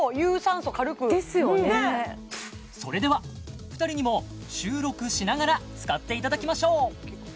それでは２人にも収録しながら使っていただきましょう！